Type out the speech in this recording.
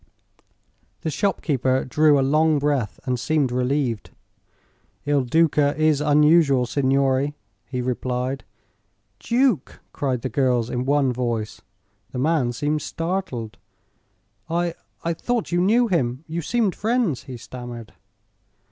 The shopkeeper drew a long breath and seemed relieved. "Il Duca is unusual, signore," he replied. "Duke!" cried the girls, in one voice. The man seemed startled. "I I thought you knew him; you seemed friends," he stammered.